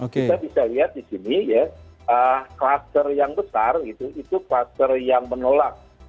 kita bisa lihat di sini ya kluster yang besar itu kluster yang menolak